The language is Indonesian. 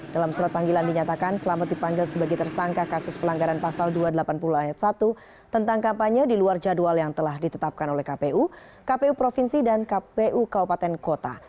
dalam surat panggilan dinyatakan selamat dipanggil sebagai tersangka kasus pelanggaran pasal dua ratus delapan puluh ayat satu tentang kampanye di luar jadwal yang telah ditetapkan oleh kpu kpu provinsi dan kpu kabupaten kota